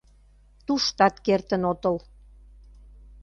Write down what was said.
Туштат кертын отыл...